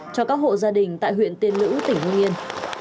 cho các hộ gia đình tại huyện tiên lữ tỉnh hương yên